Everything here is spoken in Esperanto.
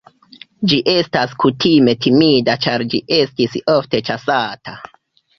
Ĝi estas kutime timida, ĉar ĝi estis ofte ĉasata.